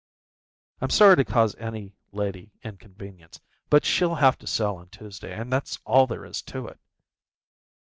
"I'm sorry to cause any lady inconvenience, but she'll have to sail on Tuesday and that's all there is to it."